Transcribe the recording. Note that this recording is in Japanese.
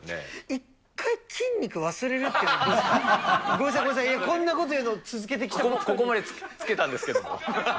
一回筋肉忘れるっていうのはどうですか、ごめんなさい、こんなこと言うの、続けてきた方ここまでつけたんですけども。